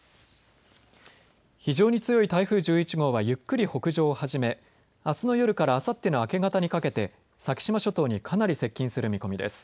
非常に強い台風１１号はゆっくり北上を始めあすの夜からあさっての明け方にかけて先島諸島にかなり接近する見込みです。